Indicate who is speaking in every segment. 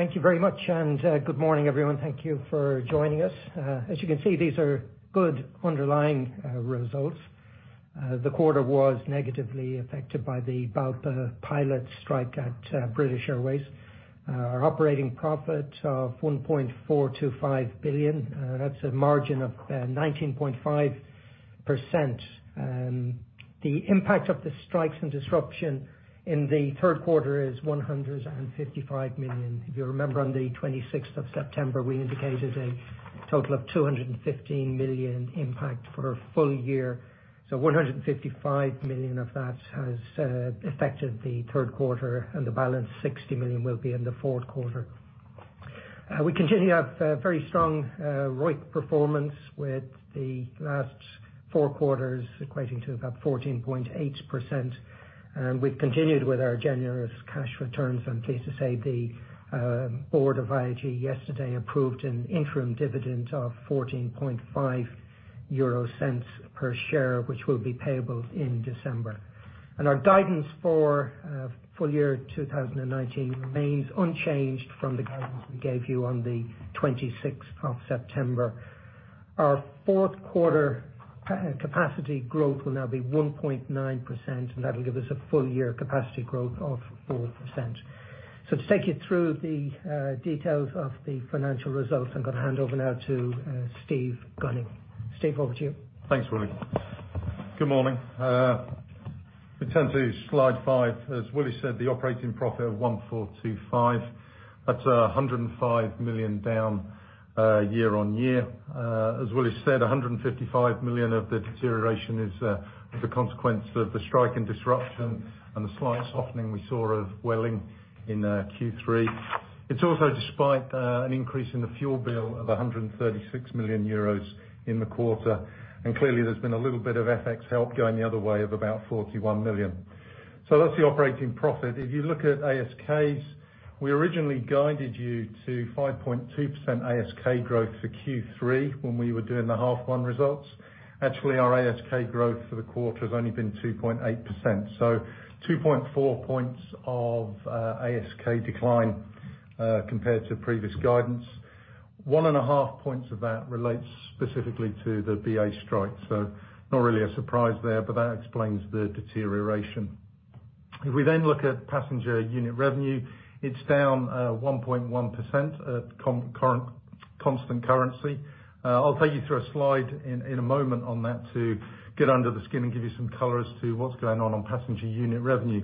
Speaker 1: Thank you very much. Good morning, everyone. Thank you for joining us. As you can see, these are good underlying results. The quarter was negatively affected by the BALPA pilot strike at British Airways. Our operating profit of 1.425 billion, that's a margin of 19.5%. The impact of the strikes and disruption in the third quarter is 155 million. If you remember, on the 26th of September, we indicated a total of 215 million impact for a full year. 155 million of that has affected the third quarter, and the balance, 60 million, will be in the fourth quarter. We continue to have very strong ROIC performance with the last four quarters equating to about 14.8%. We've continued with our generous cash returns. I'm pleased to say the board of IAG yesterday approved an interim dividend of 0.145 per share, which will be payable in December. Our guidance for full year 2019 remains unchanged from the guidance we gave you on the 26th of September. Our fourth quarter capacity growth will now be 1.9%, and that'll give us a full year capacity growth of 4%. To take you through the details of the financial results, I'm going to hand over now to Steve Gunning. Steve, over to you.
Speaker 2: Thanks, Willie. Good morning. We turn to slide five. As Willie said, the operating profit of 1,425, that's 105 million down year-on-year. As Willie said, 155 million of the deterioration is as a consequence of the strike and disruption and the slight softening we saw of Vueling in Q3. It's also despite an increase in the fuel bill of 136 million euros in the quarter, clearly there's been a little bit of FX help going the other way of about 41 million. That's the operating profit. If you look at ASKs, we originally guided you to 5.2% ASK growth for Q3 when we were doing the half one results. Actually, our ASK growth for the quarter has only been 2.8%, 2.4 points of ASK decline, compared to previous guidance. One and a half points of that relates specifically to the BA strike, so not really a surprise there, but that explains the deterioration. If we then look at passenger unit revenue, it's down 1.1% at constant currency. I'll take you through a slide in a moment on that to get under the skin and give you some color as to what's going on on passenger unit revenue.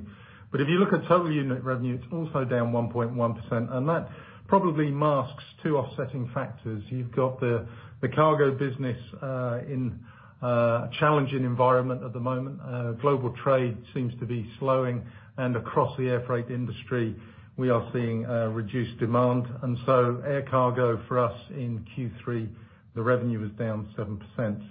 Speaker 2: If you look at total unit revenue, it's also down 1.1%, and that probably masks two offsetting factors. You've got the cargo business in a challenging environment at the moment. Global trade seems to be slowing, and across the air freight industry, we are seeing reduced demand. Air cargo for us in Q3, the revenue was down 7%.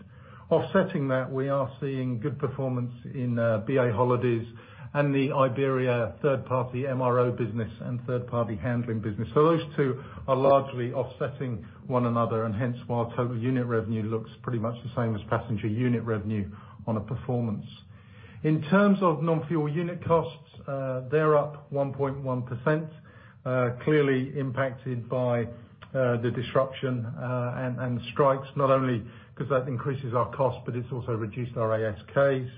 Speaker 2: Offsetting that, we are seeing good performance in BA Holidays and the Iberia third-party MRO business and third-party handling business. Those two are largely offsetting one another, and hence why total unit revenue looks pretty much the same as passenger unit revenue on a performance. In terms of non-fuel unit costs, they're up 1.1%, clearly impacted by the disruption, and the strikes, not only because that increases our cost, but it's also reduced our ASKs.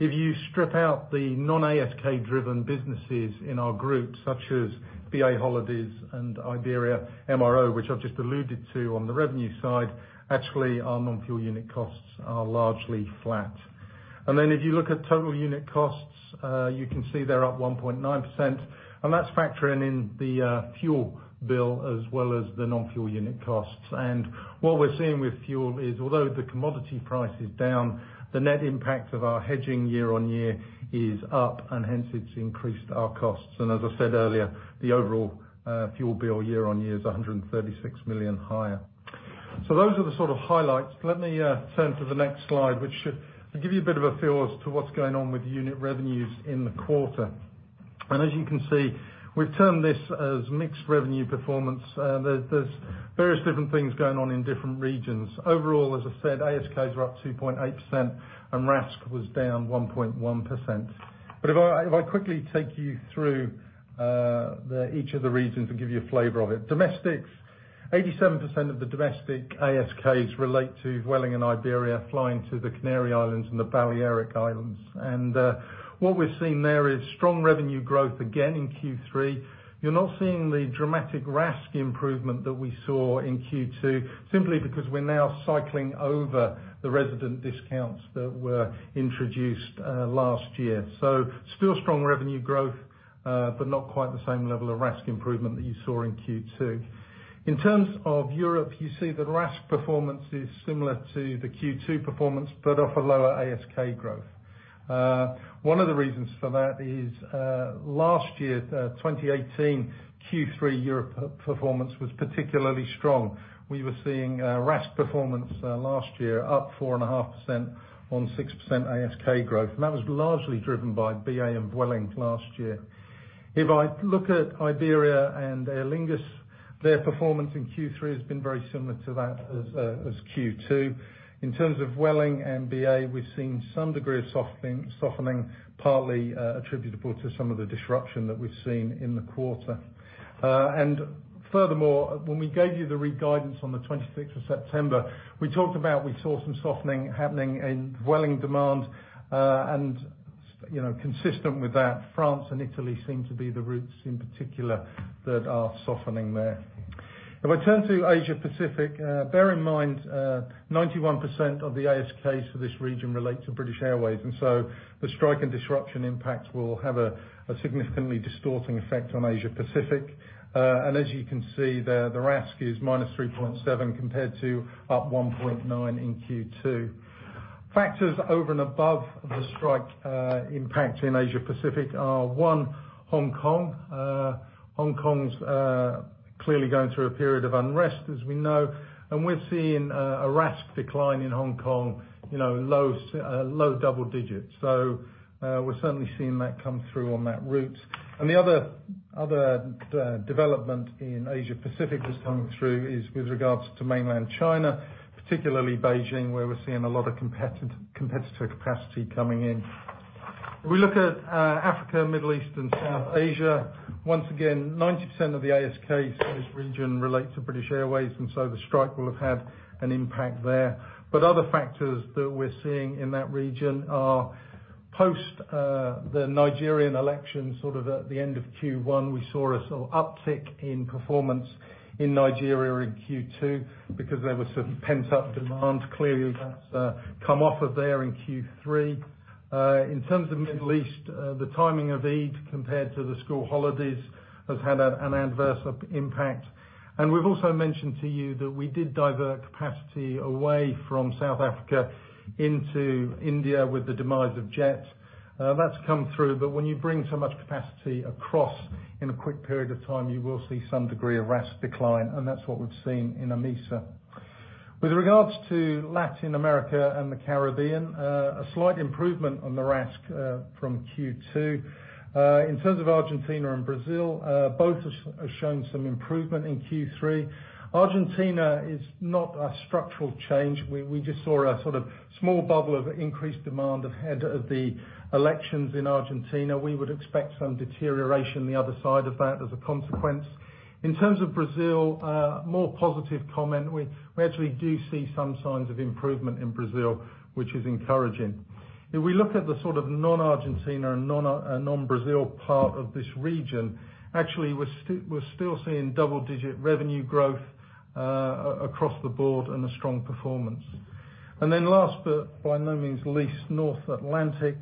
Speaker 2: If you strip out the non-ASK-driven businesses in our group, such as BA Holidays and Iberia MRO, which I've just alluded to on the revenue side, actually our non-fuel unit costs are largely flat. If you look at total unit costs, you can see they're up 1.9%, and that's factoring in the fuel bill as well as the non-fuel unit costs. What we're seeing with fuel is, although the commodity price is down, the net impact of our hedging year-over-year is up, and hence it's increased our costs. As I said earlier, the overall fuel bill year-on-year is 136 million higher. Those are the sort of highlights. Let me turn to the next slide, which should give you a bit of a feel as to what's going on with unit revenues in the quarter. As you can see, we've termed this as mixed revenue performance. There's various different things going on in different regions. Overall, as I said, ASKs were up 2.8%, and RASK was down 1.1%. If I quickly take you through each of the regions and give you a flavor of it. Domestics, 87% of the domestic ASKs relate to Vueling and Iberia flying to the Canary Islands and the Balearic Islands. What we're seeing there is strong revenue growth again in Q3. You're not seeing the dramatic RASK improvement that we saw in Q2, simply because we're now cycling over the resident discounts that were introduced last year. Still strong revenue growth, but not quite the same level of RASK improvement that you saw in Q2. In terms of Europe, you see the RASK performance is similar to the Q2 performance but off a lower ASK growth. One of the reasons for that is last year, 2018, Q3 Europe performance was particularly strong. We were seeing RASK performance last year up 4.5% on 6% ASK growth, and that was largely driven by BA and Vueling last year. If I look at Iberia and Aer Lingus Their performance in Q3 has been very similar to that as Q2. In terms of Vueling and BA, we've seen some degree of softening, partly attributable to some of the disruption that we've seen in the quarter. Furthermore, when we gave you the re-guidance on the 26th of September, we talked about, we saw some softening happening in Vueling demand, and consistent with that, France and Italy seem to be the routes in particular that are softening there. If I turn to Asia Pacific, bear in mind, 91% of the ASKs for this region relate to British Airways. The strike and disruption impact will have a significantly distorting effect on Asia Pacific. As you can see there, the RASK is -3.7% compared to up 1.9% in Q2. Factors over and above the strike impact in Asia Pacific are, one, Hong Kong. Hong Kong's clearly going through a period of unrest, as we know, and we're seeing a RASK decline in Hong Kong, low double digits. We're certainly seeing that come through on that route. The other development in Asia Pacific that's coming through is with regards to mainland China, particularly Beijing, where we're seeing a lot of competitor capacity coming in. We look at Africa, Middle East, and South Asia, once again, 90% of the ASKs for this region relate to British Airways, and so the strike will have had an impact there. Other factors that we're seeing in that region are post the Nigerian election, sort of at the end of Q1, we saw a sort of uptick in performance in Nigeria in Q2 because there was some pent-up demand. Clearly, that's come off of there in Q3. In terms of Middle East, the timing of Eid compared to the school holidays has had an adverse impact. We've also mentioned to you that we did divert capacity away from South Africa into India with the demise of Jet. That's come through, but when you bring so much capacity across in a quick period of time, you will see some degree of RASK decline, and that's what we've seen in AMESA. With regards to Latin America and the Caribbean, a slight improvement on the RASK from Q2. In terms of Argentina and Brazil, both have shown some improvement in Q3. Argentina is not a structural change. We just saw a sort of small bubble of increased demand ahead of the elections in Argentina. We would expect some deterioration on the other side of that as a consequence. In terms of Brazil, more positive comment. We actually do see some signs of improvement in Brazil, which is encouraging. If we look at the sort of non-Argentina and non-Brazil part of this region, actually, we're still seeing double-digit revenue growth across the board and a strong performance. Last, but by no means least, North Atlantic.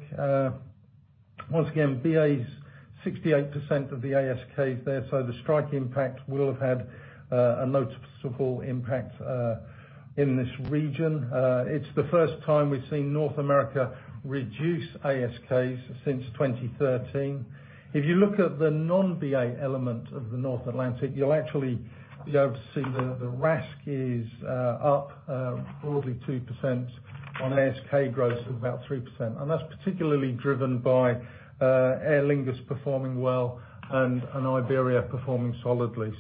Speaker 2: Once again, BA's 68% of the ASKs there, so the strike impact will have had a noticeable impact in this region. It's the first time we've seen North America reduce ASKs since 2013. If you look at the non-BA element of the North Atlantic, you'll actually be able to see the RASK is up broadly 2% on ASK growth of about 3%. That's particularly driven by Aer Lingus performing well and Iberia performing solidly.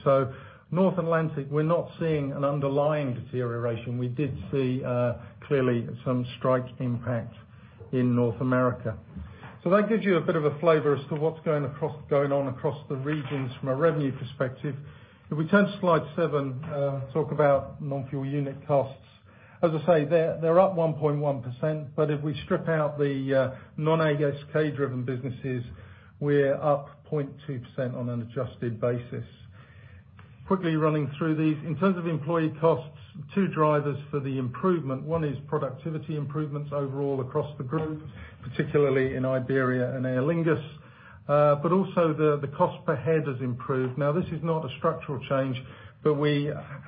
Speaker 2: North Atlantic, we're not seeing an underlying deterioration. We did see clearly some strike impact in North America. That gives you a bit of a flavor as to what's going on across the regions from a revenue perspective. If we turn to slide seven, talk about non-fuel unit costs. As I say, they're up 1.1%, but if we strip out the non-ASK-driven businesses, we're up 0.2% on an adjusted basis. Quickly running through these. In terms of employee costs, two drivers for the improvement. One is productivity improvements overall across the group, particularly in Iberia and Aer Lingus, but also the cost per head has improved. Now, this is not a structural change, but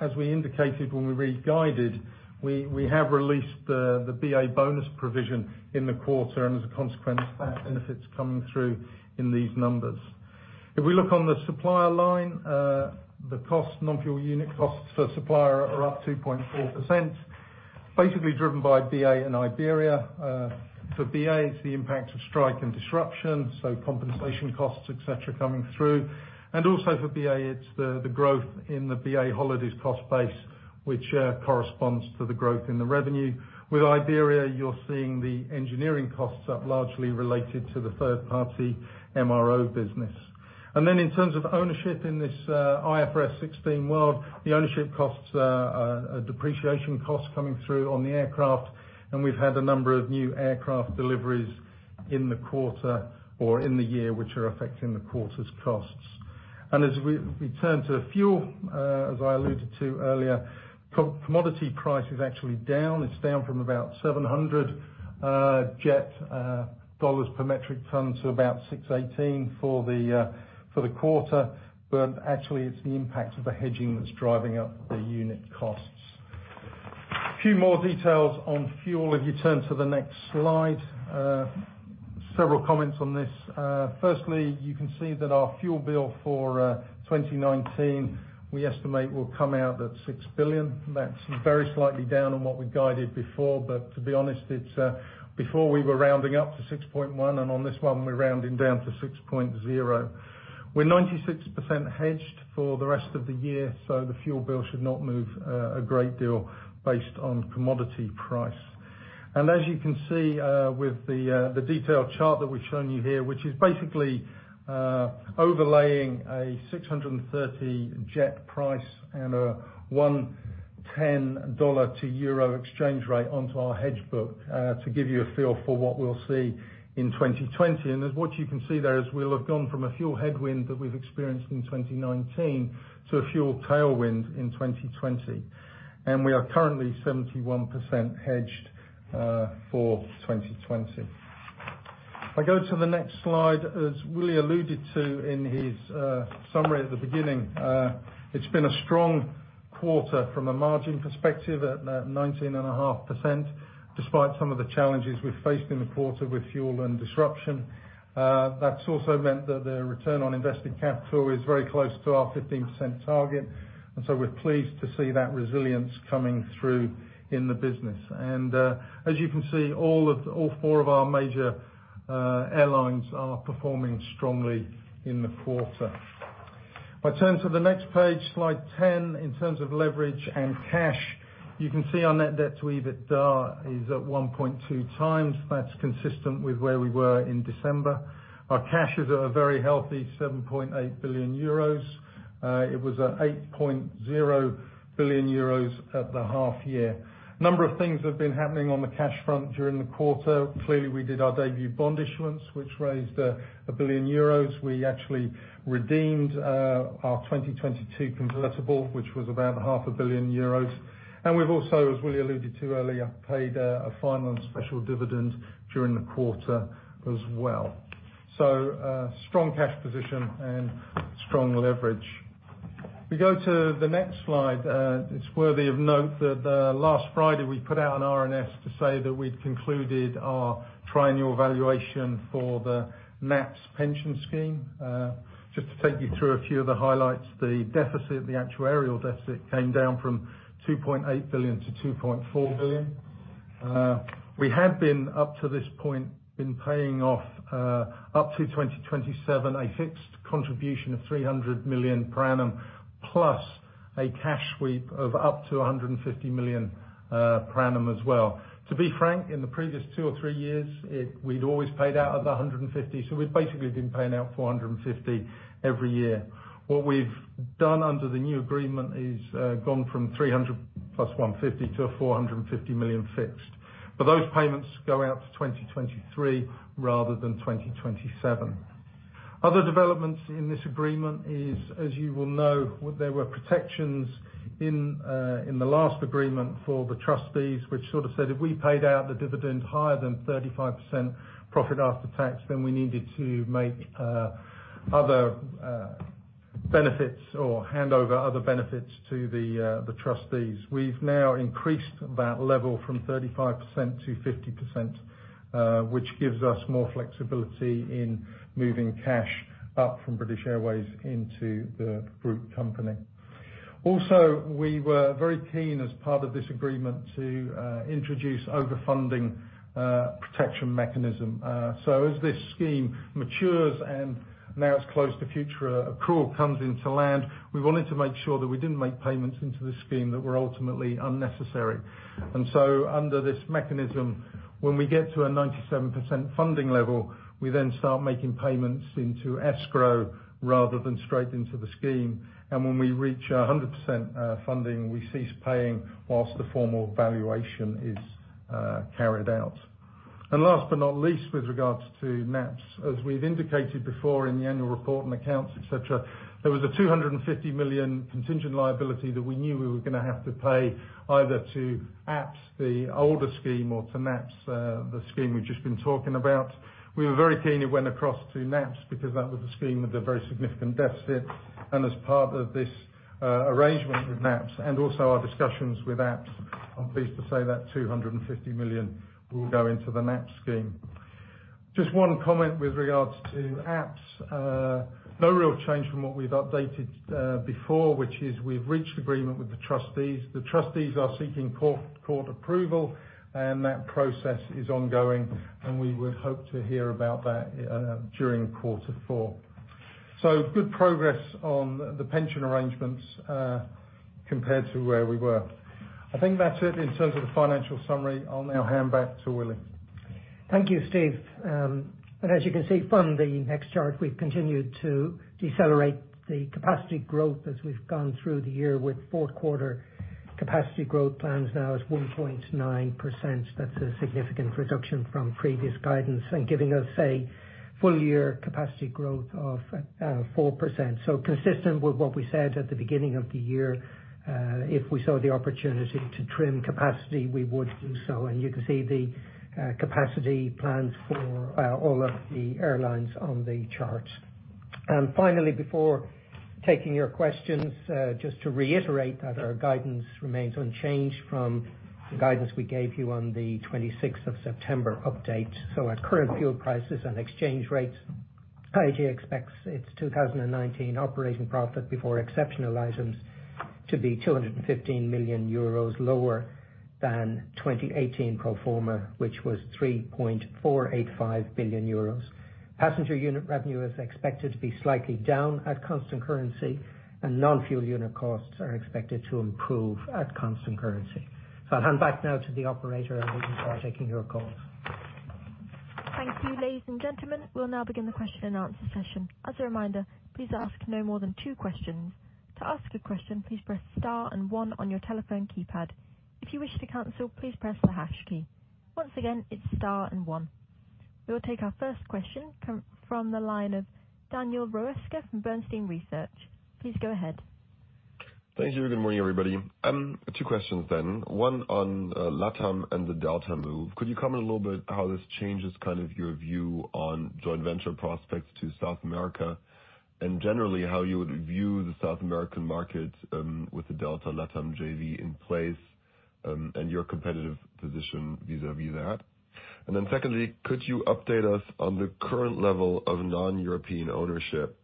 Speaker 2: as we indicated when we re-guided, we have released the BA bonus provision in the quarter, and as a consequence of that, benefits coming through in these numbers. If we look on the supplier line, the non-fuel unit costs for supplier are up 2.4%, basically driven by BA and Iberia. For BA, it's the impact of strike and disruption, so compensation costs, et cetera, coming through. Also for BA, it's the growth in the BA Holidays cost base, which corresponds to the growth in the revenue. With Iberia, you're seeing the engineering costs up largely related to the third-party MRO business. Then in terms of ownership in this IFRS 16 world, the ownership costs are depreciation costs coming through on the aircraft, and we've had a number of new aircraft deliveries in the quarter or in the year, which are affecting the quarter's costs. As we turn to fuel, as I alluded to earlier, commodity price is actually down. It's down from about $700 per metric ton to about $618 for the quarter. Actually, it's the impact of the hedging that's driving up the unit costs. A few more details on fuel, if you turn to the next slide. Several comments on this. You can see that our fuel bill for 2019, we estimate, will come out at 6 billion. That's very slightly down on what we guided before, to be honest, before we were rounding up to 6.1, on this one, we're rounding down to 6.0. We're 96% hedged for the rest of the year, the fuel bill should not move a great deal based on commodity price. As you can see with the detailed chart that we've shown you here, which is basically overlaying a $630 jet price and a $110 to euro exchange rate onto our hedge book to give you a feel for what we'll see in 2020. What you can see there is we'll have gone from a fuel headwind that we've experienced in 2019 to a fuel tailwind in 2020. We are currently 71% hedged for 2020. If I go to the next slide, as Willie alluded to in his summary at the beginning, it's been a strong quarter from a margin perspective at 19.5%, despite some of the challenges we faced in the quarter with fuel and disruption. That's also meant that the return on invested capital is very close to our 15% target, and so we're pleased to see that resilience coming through in the business. As you can see, all four of our major airlines are performing strongly in the quarter. If I turn to the next page, slide 10, in terms of leverage and cash, you can see our net debt to EBITDA is at 1.2 times. That's consistent with where we were in December. Our cash is at a very healthy 7.8 billion euros. It was at 8.0 billion euros at the half year. A number of things have been happening on the cash front during the quarter. Clearly, we did our debut bond issuance, which raised 1 billion euros. We actually redeemed our 2022 convertible, which was about half a billion EUR. We've also, as Willie alluded to earlier, paid a final and special dividend during the quarter as well. Strong cash position and strong leverage. If we go to the next slide, it's worthy of note that last Friday we put out an RNS to say that we'd concluded our triennial valuation for the NAPS pension scheme. Just to take you through a few of the highlights, the deficit, the actuarial deficit came down from 2.8 billion to 2.4 billion. We have been, up to this point, been paying off up to 2027, a fixed contribution of 300 million per annum, plus a cash sweep of up to 150 million per annum as well. To be frank, in the previous two or three years, we'd always paid out of the 150. We'd basically been paying out 450 every year. What we've done under the new agreement is gone from 300 plus 150 to a 450 million fixed. Those payments go out to 2023 rather than 2027. Other developments in this agreement is, as you will know, there were protections in the last agreement for the trustees, which sort of said if we paid out the dividend higher than 35% profit after tax, then we needed to make other benefits or hand over other benefits to the trustees. We've now increased that level from 35% to 50%, which gives us more flexibility in moving cash up from British Airways into the group company. Also, we were very keen as part of this agreement to introduce over-funding protection mechanism. As this scheme matures and now it's close to future accrual comes into land, we wanted to make sure that we didn't make payments into the scheme that were ultimately unnecessary. Under this mechanism, when we get to a 97% funding level, we then start making payments into escrow rather than straight into the scheme. When we reach 100% funding, we cease paying whilst the formal valuation is carried out. Last but not least with regards to NAPS, as we've indicated before in the annual report and accounts, et cetera, there was a 250 million contingent liability that we knew we were going to have to pay either to APPS, the older scheme, or to NAPS, the scheme we've just been talking about. We were very keen it went across to NAPS because that was a scheme with a very significant deficit. As part of this arrangement with NAPS and also our discussions with APPS, I'm pleased to say that 250 million will go into the NAPS scheme. Just one comment with regards to APPS. No real change from what we've updated before, which is we've reached agreement with the trustees. The trustees are seeking court approval, and that process is ongoing, and we would hope to hear about that during quarter four. Good progress on the pension arrangements, compared to where we were. I think that's it in terms of the financial summary. I'll now hand back to Willie.
Speaker 1: Thank you, Steve. As you can see from the next chart, we've continued to decelerate the capacity growth as we've gone through the year with fourth quarter capacity growth plans now at 1.9%. That's a significant reduction from previous guidance and giving us a full year capacity growth of 4%. Consistent with what we said at the beginning of the year, if we saw the opportunity to trim capacity, we would do so. You can see the capacity plans for all of the airlines on the chart. Finally, before taking your questions, just to reiterate that our guidance remains unchanged from the guidance we gave you on the 26th of September update. At current fuel prices and exchange rates, IAG expects its 2019 operating profit before exceptional items to be €215 million lower than 2018 pro forma, which was €3.485 billion. Passenger unit revenue is expected to be slightly down at constant currency, and non-fuel unit costs are expected to improve at constant currency. I'll hand back now to the operator, and we can start taking your calls.
Speaker 3: Thank you. Ladies and gentlemen, we will now begin the question and answer session. As a reminder, please ask no more than two questions. To ask a question, please press star and one on your telephone keypad. If you wish to cancel, please press the hash key. Once again, it is star and one. We will take our first question from the line of Daniel Roeska from Bernstein Research. Please go ahead.
Speaker 4: Thank you. Good morning, everybody. Two questions then. One on LATAM and the Delta move. Could you comment a little bit how this changes your view on joint venture prospects to South America, and generally how you would view the South American market with the Delta LATAM JV in place, and your competitive position vis-à-vis that? Secondly, could you update us on the current level of non-European ownership,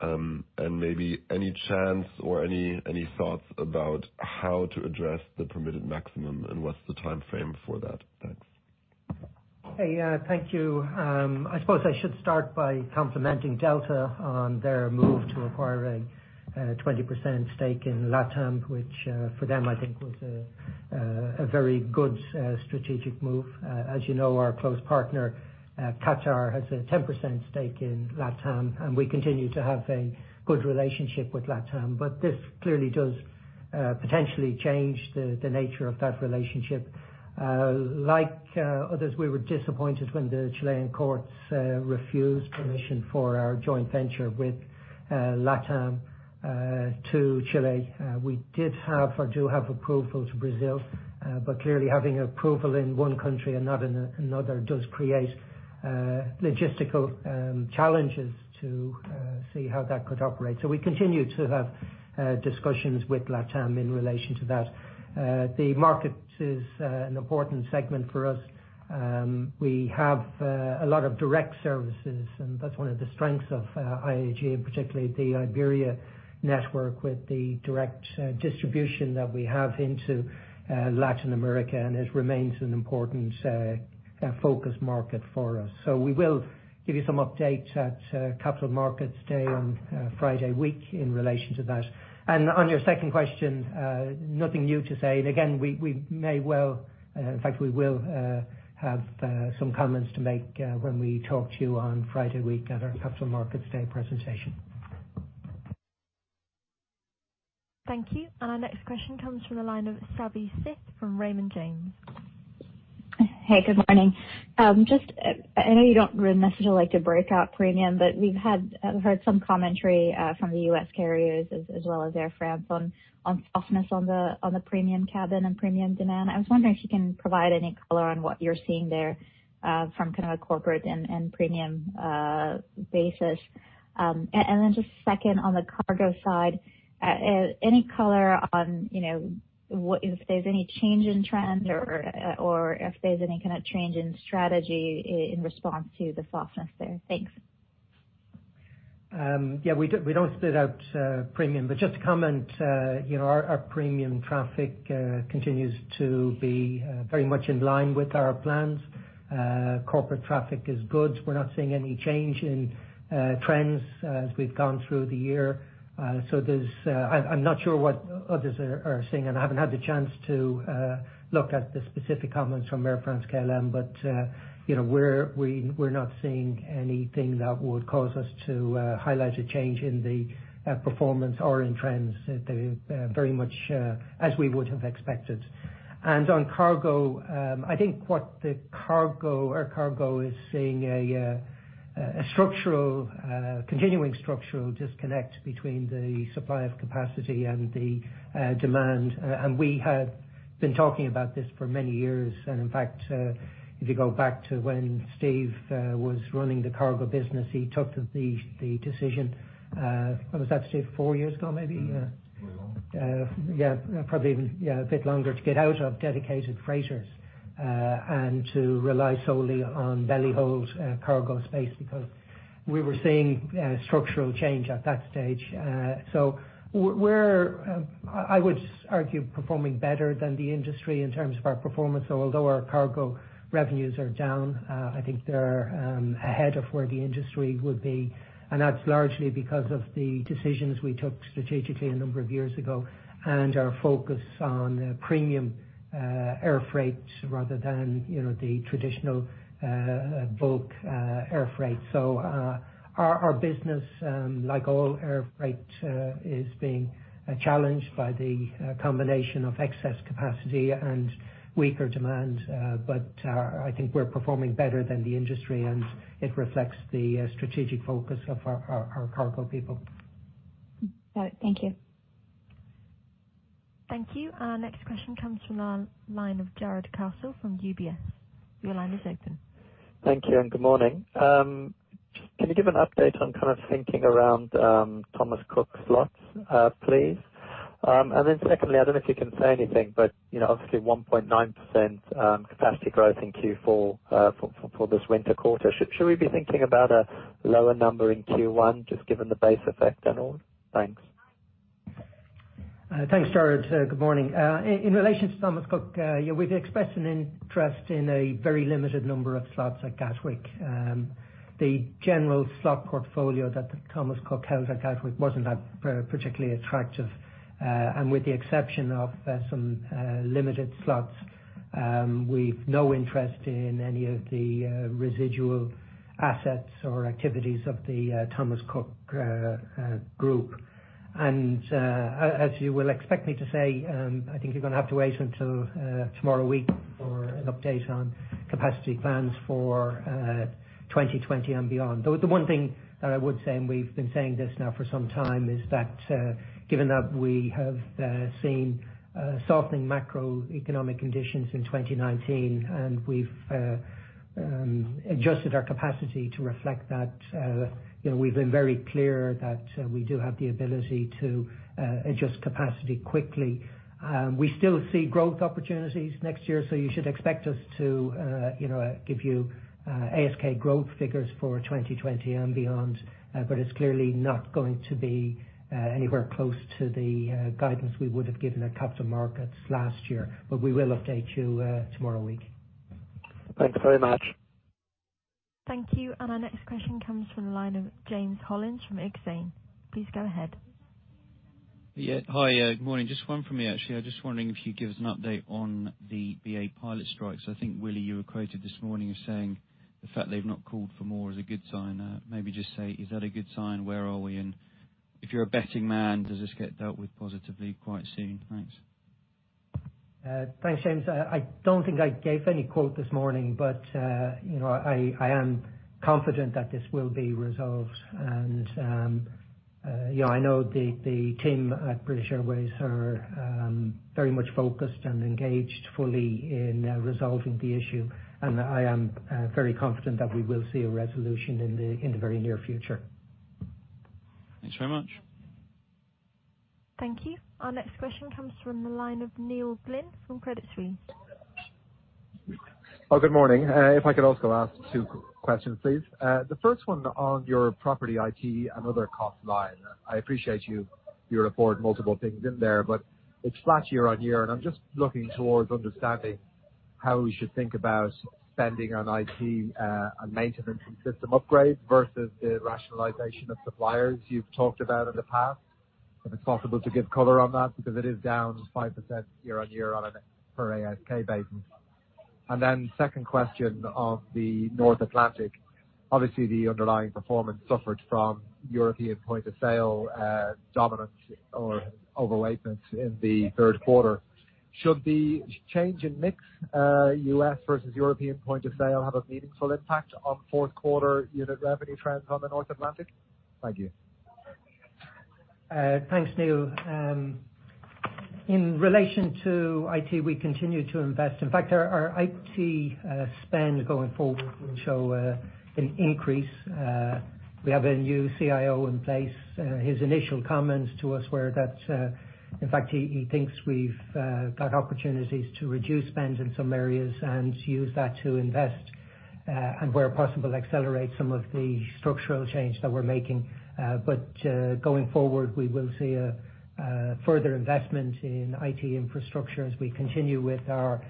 Speaker 4: and maybe any chance or any thoughts about how to address the permitted maximum, and what's the timeframe for that? Thanks.
Speaker 1: Hey, thank you. I suppose I should start by complimenting Delta on their move to acquire a 20% stake in LATAM, which for them, I think was a very good strategic move. As you know, our close partner, Qatar, has a 10% stake in LATAM, and we continue to have a good relationship with LATAM. This clearly does potentially change the nature of that relationship. Like others, we were disappointed when the Chilean courts refused permission for our joint venture with LATAM to Chile. We do have approval to Brazil. Clearly having approval in one country and not another does create logistical challenges to see how that could operate. We continue to have discussions with LATAM in relation to that. The market is an important segment for us. We have a lot of direct services, and that's one of the strengths of IAG and particularly the Iberia network with the direct distribution that we have into Latin America, and it remains an important focus market for us. We will give you some updates at Capital Markets Day on Friday week in relation to that. On your second question, nothing new to say. Again, in fact, we will have some comments to make when we talk to you on Friday week at our Capital Markets Day presentation.
Speaker 3: Thank you. Our next question comes from the line of Savanthi Syth from Raymond James.
Speaker 5: Hey, good morning. I know you don't necessarily like to break out premium, but we've heard some commentary from the U.S. carriers as well as Air France on softness on the premium cabin and premium demand. I was wondering if you can provide any color on what you're seeing there from a corporate and premium basis. Then just second, on the cargo side, any color on if there's any change in trends or if there's any change in strategy in response to the softness there? Thanks.
Speaker 1: Yeah, we don't split out premium. Just to comment, our premium traffic continues to be very much in line with our plans. Corporate traffic is good. We're not seeing any change in trends as we've gone through the year. I'm not sure what others are saying, and I haven't had the chance to look at the specific comments from Air France-KLM. We're not seeing anything that would cause us to highlight a change in the performance or in trends. They're very much as we would have expected. On cargo, I think what our cargo is seeing a continuing structural disconnect between the supply of capacity and the demand. We have been talking about this for many years. In fact, if you go back to when Steve was running the cargo business, he took the decision. When was that, Steve? Four years ago, maybe?
Speaker 2: Mm-hmm. A bit longer.
Speaker 1: Yeah. Probably even a bit longer to get out of dedicated freighters, and to rely solely on belly hold cargo space because we were seeing structural change at that stage. We're, I would argue, performing better than the industry in terms of our performance, although our cargo revenues are down. I think they're ahead of where the industry would be, and that's largely because of the decisions we took strategically a number of years ago and our focus on premium air freight rather than the traditional bulk air freight. Our business, like all air freight, is being challenged by the combination of excess capacity and weaker demand. I think we're performing better than the industry, and it reflects the strategic focus of our cargo people.
Speaker 5: All right. Thank you.
Speaker 3: Thank you. Our next question comes from the line of Jarrod Castle from UBS. Your line is open.
Speaker 6: Thank you, and good morning. Can you give an update on thinking around Thomas Cook's slots, please? Secondly, I don't know if you can say anything, obviously 1.9% capacity growth in Q4 for this winter quarter. Should we be thinking about a lower number in Q1, just given the base effect and all? Thanks.
Speaker 1: Thanks, Jarrod. Good morning. In relation to Thomas Cook, yeah, we've expressed an interest in a very limited number of slots at Gatwick. The general slot portfolio that Thomas Cook held at Gatwick wasn't that particularly attractive. With the exception of some limited slots, we've no interest in any of the residual assets or activities of the Thomas Cook Group. As you will expect me to say, I think you're going to have to wait until tomorrow week for an update on capacity plans for 2020 and beyond. The one thing that I would say, and we've been saying this now for some time, is that given that we have seen softening macroeconomic conditions in 2019, and we've adjusted our capacity to reflect that. We've been very clear that we do have the ability to adjust capacity quickly. We still see growth opportunities next year. You should expect us to give you ASK growth figures for 2020 and beyond. It's clearly not going to be anywhere close to the guidance we would have given at Capital Markets last year. We will update you tomorrow week.
Speaker 6: Thanks very much.
Speaker 3: Thank you. Our next question comes from the line of James Hollins from Exane. Please go ahead.
Speaker 7: Yeah. Hi. Good morning. Just one from me, actually. I'm just wondering if you'd give us an update on the British Airways pilot strikes? I think, Willie, you were quoted this morning as saying the fact they've not called for more is a good sign. Maybe just say, is that a good sign? Where are we? If you're a betting man, does this get dealt with positively quite soon? Thanks.
Speaker 1: Thanks, James. I don't think I gave any quote this morning. I am confident that this will be resolved. Yeah, I know the team at British Airways are very much focused and engaged fully in resolving the issue. I am very confident that we will see a resolution in the very near future.
Speaker 7: Thanks very much.
Speaker 3: Thank you. Our next question comes from the line of Neil Glynn from Credit Suisse.
Speaker 8: Good morning. If I could also ask two questions, please. The first one on your property IT, another cost line. I appreciate you report multiple things in there, but it's flat year-on-year, and I am just looking towards understanding how we should think about spending on IT and maintenance and system upgrade versus the rationalization of suppliers you have talked about in the past. If it's possible to give color on that, because it is down 5% year-on-year on a per ASK basis. Second question on the North Atlantic. Obviously, the underlying performance suffered from European point of sale dominance or overweightness in the third quarter. Should the change in mix, U.S. versus European point of sale, have a meaningful impact on fourth quarter unit revenue trends on the North Atlantic? Thank you.
Speaker 1: Thanks, Neil. In relation to IT, we continue to invest. In fact, our IT spend going forward will show an increase. We have a new CIO in place. His initial comments to us were that, in fact, he thinks we've got opportunities to reduce spend in some areas and use that to invest. Where possible, accelerate some of the structural change that we're making. Going forward, we will see a further investment in IT infrastructure as we continue with our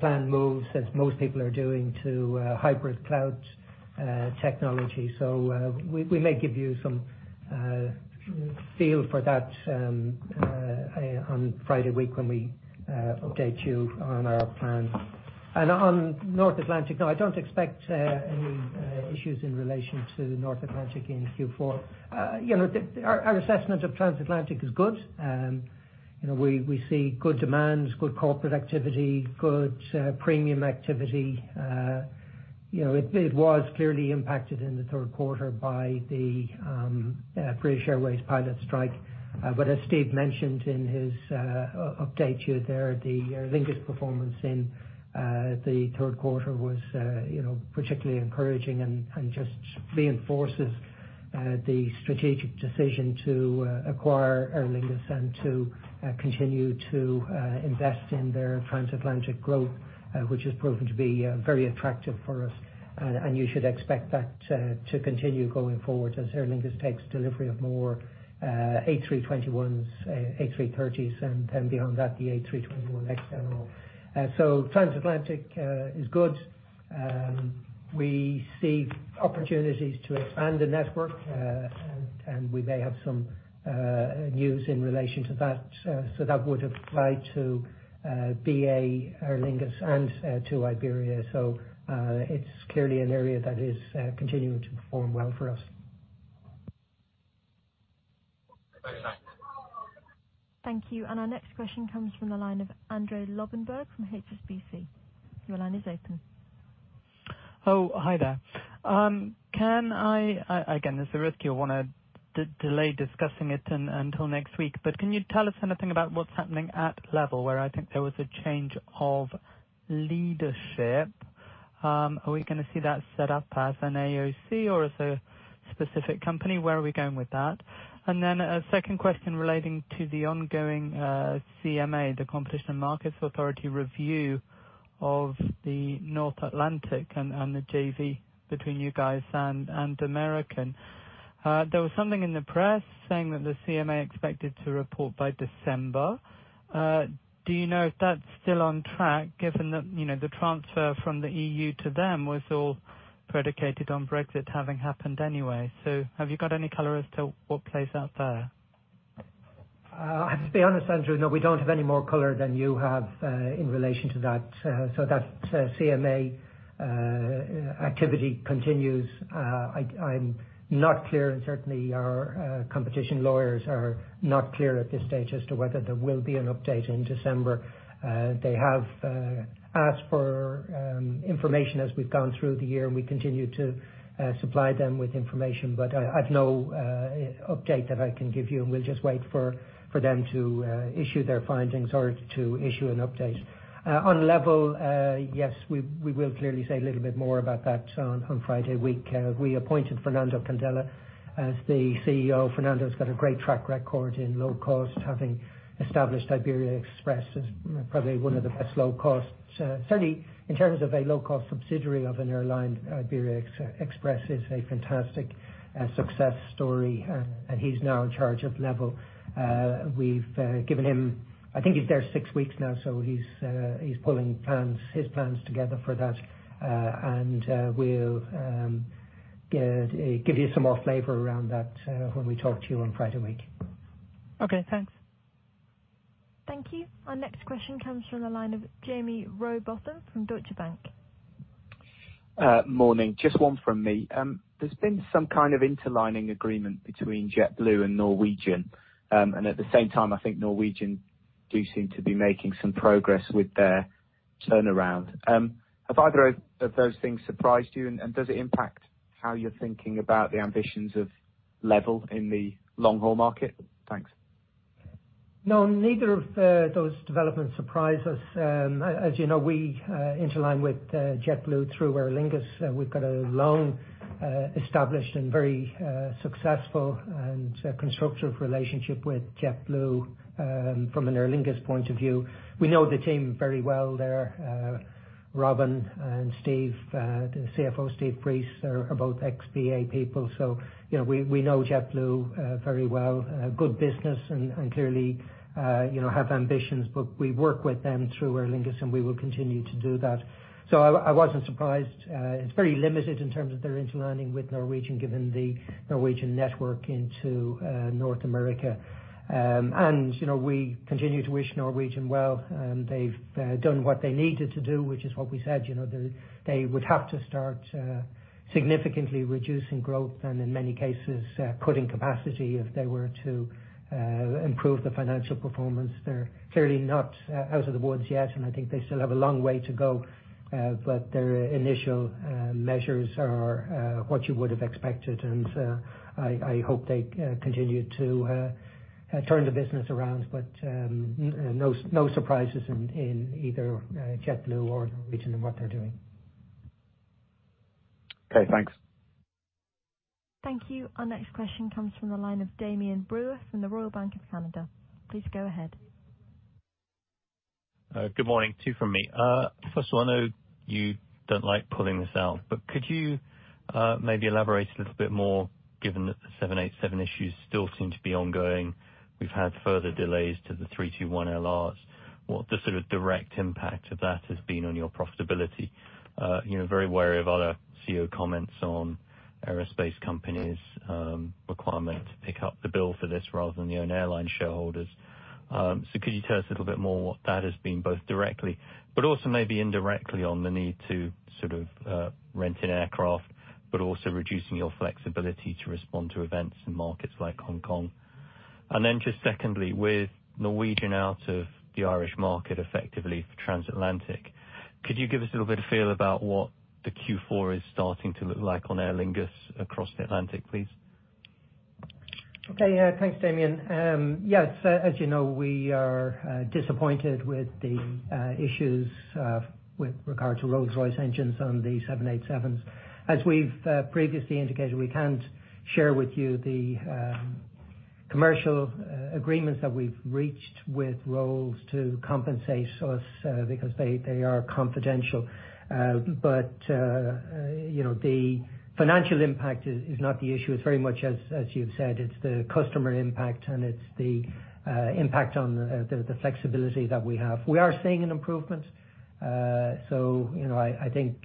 Speaker 1: planned moves, as most people are doing, to hybrid cloud technology. We may give you some feel for that on Friday week when we update you on our plans. On North Atlantic, no, I don't expect any issues in relation to North Atlantic in Q4. Our assessment of Transatlantic is good. We see good demand, good corporate activity, good premium activity. It was clearly impacted in the third quarter by the British Airways pilot strike. As Steve mentioned in his update to you there, the Aer Lingus performance in the third quarter was particularly encouraging and just reinforces the strategic decision to acquire Aer Lingus and to continue to invest in their Transatlantic growth, which has proven to be very attractive for us. You should expect that to continue going forward as Aer Lingus takes delivery of more A321s, A330s, and then beyond that, the A321XLR. Transatlantic is good. We see opportunities to expand the network, and we may have some news in relation to that. That would apply to BA, Aer Lingus, and to Iberia. It's clearly an area that is continuing to perform well for us.
Speaker 8: Okay, thanks.
Speaker 3: Thank you. Our next question comes from the line of Andrew Lobbenberg from HSBC. Your line is open.
Speaker 9: Oh, hi there. Again, there's a risk you'll want to delay discussing it until next week. Can you tell us anything about what's happening at LEVEL, where I think there was a change of leadership? Are we going to see that set up as an AOC or as a specific company? Where are we going with that? A second question relating to the ongoing CMA, the Competition and Markets Authority review of the North Atlantic and the JV between you guys and American. There was something in the press saying that the CMA expected to report by December. Do you know if that's still on track, given that the transfer from the EU to them was all predicated on Brexit having happened anyway? Have you got any color as to what plays out there?
Speaker 1: I have to be honest, Andrew, no, we don't have any more color than you have in relation to that. That CMA activity continues. I'm not clear, certainly our competition lawyers are not clear at this stage as to whether there will be an update in December. They have asked for information as we've gone through the year, we continue to supply them with information. I have no update that I can give you, we'll just wait for them to issue their findings or to issue an update. On LEVEL, yes, we will clearly say a little bit more about that on Friday week. We appointed Fernando Candela as the CEO. Fernando's got a great track record in low cost, having established Iberia Express as probably one of the best low costs. Certainly, in terms of a low-cost subsidiary of an airline, Iberia Express is a fantastic success story. He's now in charge of LEVEL. I think he's there six weeks now, he's pulling his plans together for that. We'll give you some more flavor around that when we talk to you on Friday week.
Speaker 9: Okay, thanks.
Speaker 3: Thank you. Our next question comes from the line of Jaime Rowbotham from Deutsche Bank.
Speaker 10: Morning. Just one from me. There's been some kind of interlining agreement between JetBlue and Norwegian. At the same time, I think Norwegian do seem to be making some progress with their turnaround. Have either of those things surprised you, and does it impact how you're thinking about the ambitions of LEVEL in the long-haul market? Thanks.
Speaker 1: Neither of those developments surprise us. As you know, we interline with JetBlue through Aer Lingus. We've got a long-established and very successful and constructive relationship with JetBlue from an Aer Lingus point of view. We know the team very well there. Robin and Steve, the CFO, Steve Priest, are both ex-BA people. We know JetBlue very well. Good business, clearly have ambitions. We work with them through Aer Lingus. We will continue to do that. I wasn't surprised. It's very limited in terms of their interlining with Norwegian, given the Norwegian network into North America. We continue to wish Norwegian well. They've done what they needed to do, which is what we said. They would have to start significantly reducing growth and, in many cases, cutting capacity if they were to improve the financial performance. They're clearly not out of the woods yet. I think they still have a long way to go. Their initial measures are what you would have expected. I hope they continue to turn the business around. No surprises in either JetBlue or Norwegian in what they're doing.
Speaker 10: Okay, thanks.
Speaker 3: Thank you. Our next question comes from the line of Damian Brewer from the Royal Bank of Canada. Please go ahead.
Speaker 11: Good morning. Two from me. I know you don't like pulling this out, but could you maybe elaborate a little bit more, given that the 787 issues still seem to be ongoing? We've had further delays to the A321LRs. What the sort of direct impact of that has been on your profitability? Very wary of other CEO comments on aerospace companies' requirement to pick up the bill for this rather than the own airline shareholders. Could you tell us a little bit more what that has been, both directly, but also maybe indirectly on the need to sort of rent an aircraft, but also reducing your flexibility to respond to events in markets like Hong Kong. Just secondly, with Norwegian out of the Irish market effectively for transatlantic, could you give us a little bit of feel about what the Q4 is starting to look like on Aer Lingus across the Atlantic, please?
Speaker 1: Okay. Yeah. Thanks, Damian. Yes, as you know, we are disappointed with the issues with regard to Rolls-Royce engines on the 787s. As we've previously indicated, we can't share with you the commercial agreements that we've reached with Rolls to compensate us because they are confidential. The financial impact is not the issue. It's very much as you've said. It's the customer impact, and it's the impact on the flexibility that we have. We are seeing an improvement. I think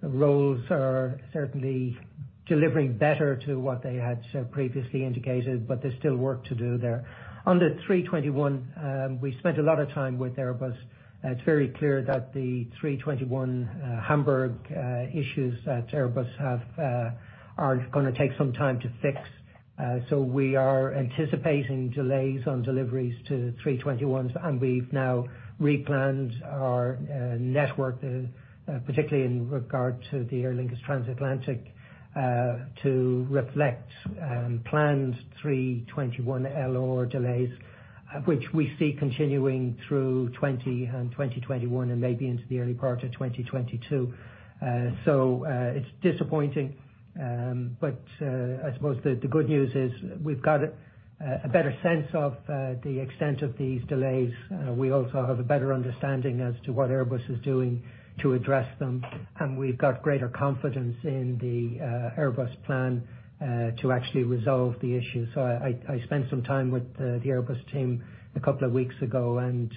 Speaker 1: Rolls are certainly delivering better to what they had previously indicated. There's still work to do there. On the 321, we spent a lot of time with Airbus. It's very clear that the 321 Hamburg issues that Airbus have are going to take some time to fix. We are anticipating delays on deliveries to A321s, and we've now replanned our network, particularly in regard to the Aer Lingus transatlantic, to reflect planned A321LR delays, which we see continuing through 2020 and 2021, and maybe into the early part of 2022. It's disappointing. I suppose the good news is we've got a better sense of the extent of these delays. We also have a better understanding as to what Airbus is doing to address them, and we've got greater confidence in the Airbus plan to actually resolve the issue. I spent some time with the Airbus team a couple of weeks ago, and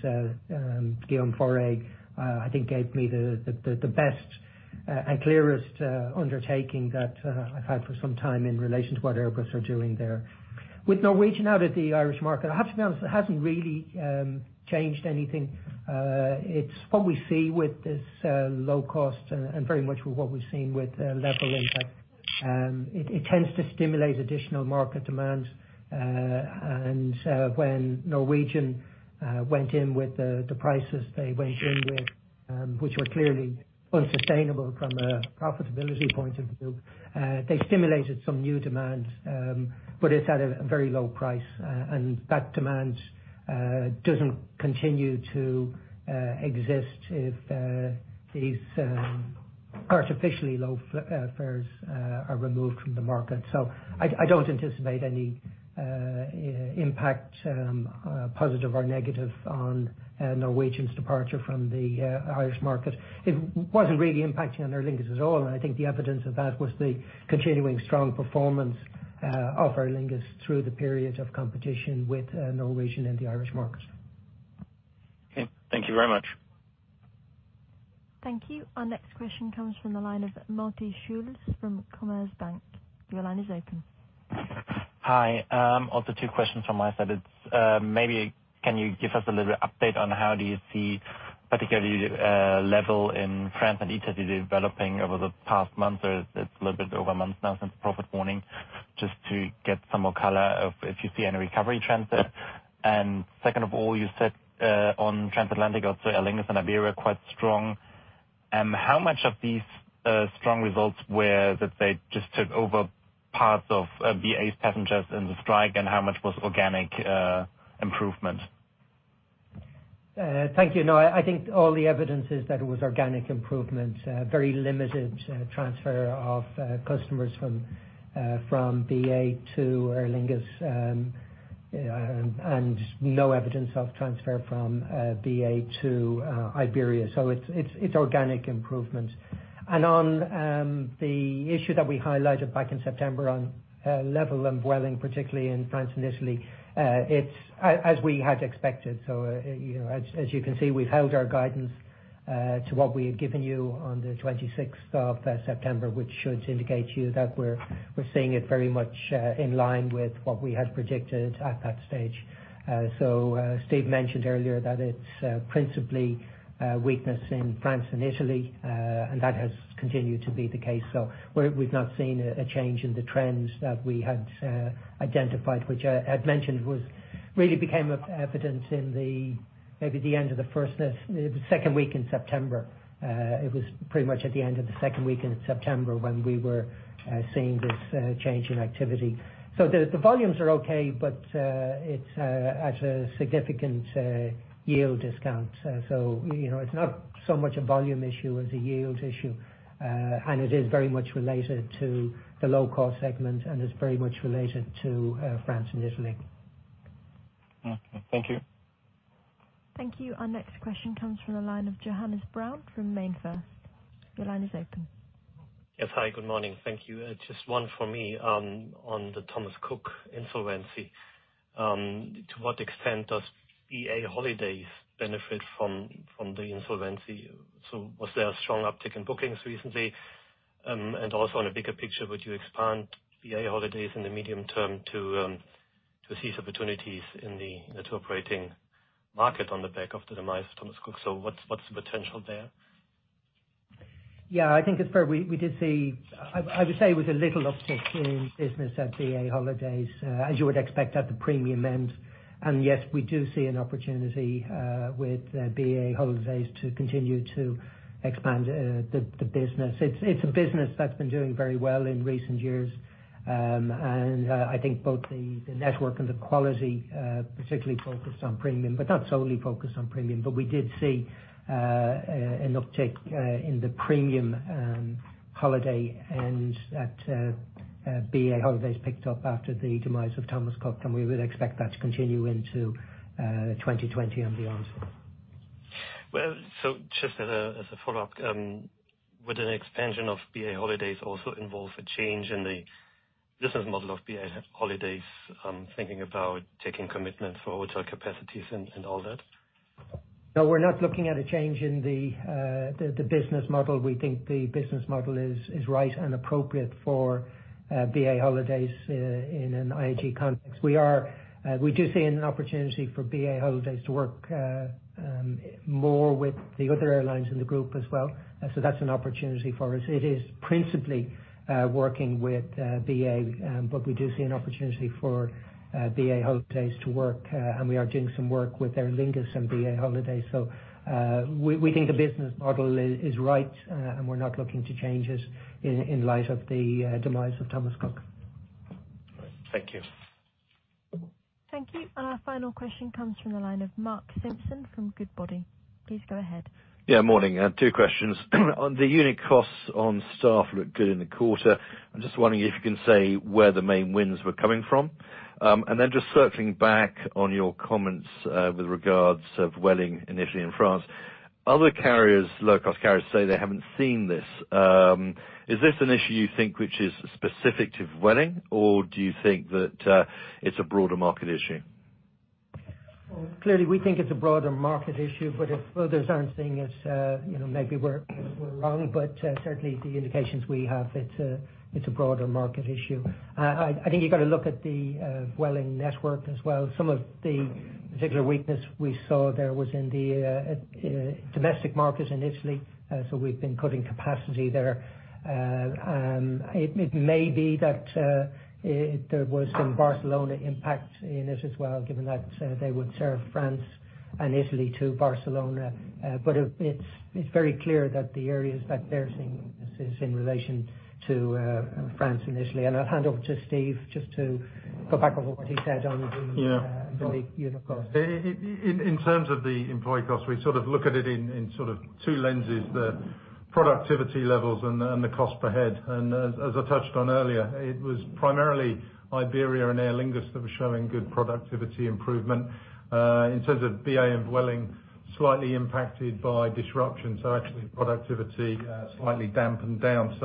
Speaker 1: Guillaume Faury, I think gave me the best and clearest undertaking that I've had for some time in relation to what Airbus are doing there. With Norwegian out of the Irish market, I have to be honest, it hasn't really changed anything. It's what we see with this low cost and very much with what we've seen with LEVEL impact. It tends to stimulate additional market demand. When Norwegian went in with the prices they went in with, which were clearly unsustainable from a profitability point of view, they stimulated some new demand. It's at a very low price, and that demand doesn't continue to exist if these artificially low fares are removed from the market. I don't anticipate any impact, positive or negative on Norwegian's departure from the Irish market. It wasn't really impacting on Aer Lingus at all, and I think the evidence of that was the continuing strong performance of Aer Lingus through the period of competition with Norwegian in the Irish market.
Speaker 11: Okay. Thank you very much.
Speaker 3: Thank you. Our next question comes from the line of Malte Schulz from Commerzbank. Your line is open.
Speaker 12: Hi. Two questions from my side. Maybe can you give us a little update on how do you see, particularly LEVEL in France and developing over the past month or it's a little bit over a month now since profit warning, just to get some more color if you see any recovery trends there. Second of all, you said on transatlantic, Aer Lingus and Iberia quite strong. How much of these strong results were that they just took over parts of BA's passengers in the strike, and how much was organic improvement?
Speaker 1: Thank you. I think all the evidence is that it was organic improvement, very limited transfer of customers from BA to Aer Lingus, and no evidence of transfer from BA to Iberia. It's organic improvement. On the issue that we highlighted back in September on LEVEL and Vueling, particularly in France and Italy, it's as we had expected. As you can see, we've held our guidance to what we had given you on the 26th of September, which should indicate to you that we're seeing it very much in line with what we had predicted at that stage. Steve mentioned earlier that it's principally a weakness in France and Italy, and that has continued to be the case. We've not seen a change in the trends that we had identified, which I had mentioned really became of evidence in maybe the end of the second week in September. It was pretty much at the end of the second week in September when we were seeing this change in activity. The volumes are okay, but it's at a significant yield discount. It's not so much a volume issue as a yield issue. It is very much related to the low-cost segment and is very much related to France and Italy.
Speaker 12: Okay. Thank you.
Speaker 3: Thank you. Our next question comes from the line of Johannes Braun from MainFirst. Your line is open.
Speaker 13: Yes. Hi, good morning. Thank you. Just one for me on the Thomas Cook insolvency. To what extent does BA Holidays benefit from the insolvency? Was there a strong uptick in bookings recently? Also on a bigger picture, would you expand BA Holidays in the medium term to seize opportunities in the tour operating market on the back of the demise of Thomas Cook? What's the potential there?
Speaker 1: Yeah, I think it's fair. I would say it was a little uptick in business at BA Holidays, as you would expect at the premium end. Yes, we do see an opportunity with BA Holidays to continue to expand the business. It's a business that's been doing very well in recent years. I think both the network and the quality, particularly focused on premium, but not solely focused on premium. We did see an uptick in the premium holiday end that BA Holidays picked up after the demise of Thomas Cook, and we would expect that to continue into 2020 and beyond.
Speaker 13: Well, just as a follow-up. Would an expansion of BA Holidays also involve a change in the business model of BA Holidays? I'm thinking about taking commitment for hotel capacities and all that.
Speaker 1: No, we are not looking at a change in the business model. We think the business model is right and appropriate for BA Holidays in an IAG context. We do see an opportunity for BA Holidays to work more with the other airlines in the group as well. So that is an opportunity for us. It is principally working with BA, but we do see an opportunity for BA Holidays to work, and we are doing some work with Aer Lingus and BA Holidays. So, we think the business model is right, and we are not looking to change it in light of the demise of Thomas Cook.
Speaker 13: All right. Thank you.
Speaker 3: Thank you. Our final question comes from the line of Mark Simpson from Goodbody. Please go ahead.
Speaker 14: Yeah, morning. Two questions. On the unit costs on staff looked good in the quarter. I'm just wondering if you can say where the main wins were coming from. Just circling back on your comments with regards of Vueling in Italy and France. Other carriers, low-cost carriers say they haven't seen this. Is this an issue you think which is specific to Vueling, or do you think that it's a broader market issue?
Speaker 1: Clearly, we think it's a broader market issue, but if others aren't seeing it, maybe we're wrong. Certainly the indications we have, it's a broader market issue. I think you got to look at the Vueling network as well. Some of the particular weakness we saw there was in the domestic market in Italy, so we've been cutting capacity there. It may be that there was some Barcelona impact in it as well, given that they would serve France and Italy to Barcelona. It's very clear that the areas that they're seeing is in relation to France and Italy. I'll hand over to Steve just to go back over what he said on the unit cost.
Speaker 2: In terms of the employee cost, we look at it in two lenses, the productivity levels and the cost per head. As I touched on earlier, it was primarily Iberia and Aer Lingus that were showing good productivity improvement. In terms of BA and Vueling, slightly impacted by disruption, so actually productivity slightly dampened down.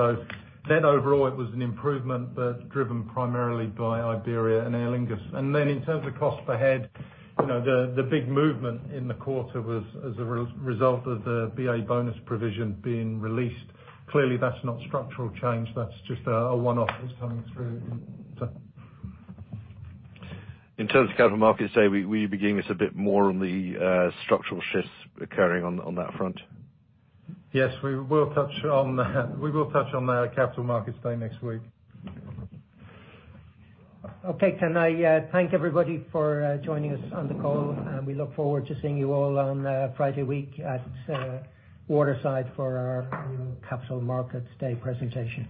Speaker 2: Overall, it was an improvement, but driven primarily by Iberia and Aer Lingus. In terms of cost per head, the big movement in the quarter was as a result of the BA bonus provision being released. Clearly, that's not structural change. That's just a one-off that's coming through.
Speaker 14: In terms of Capital Markets Day, will you be giving us a bit more on the structural shifts occurring on that front?
Speaker 2: Yes, we will touch on the Capital Markets Day next week.
Speaker 1: Okay. Can I thank everybody for joining us on the call. We look forward to seeing you all on Friday week at Waterside for our Capital Markets Day presentation.